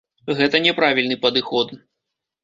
Гэта не правільны падыход.